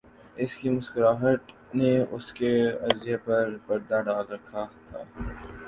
اُس کی مسکراہٹ نے اُس کے غصےپر پردہ ڈال رکھا تھا